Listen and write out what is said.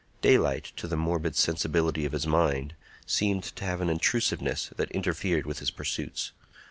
Daylight, to the morbid sensibility of his mind, seemed to have an intrusiveness that interfered with his pursuits.